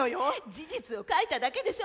事実を書いただけでしょ。